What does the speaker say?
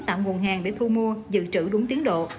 tạo nguồn hàng để thu mua dự trữ đúng tiến độ